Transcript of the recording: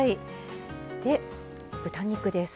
で豚肉です。